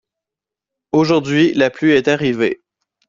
Aujourd'hui, la pluie est arrivée